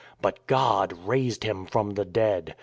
But God raised Him from the dead.